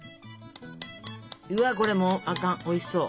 うわっこれもうあかんおいしそう。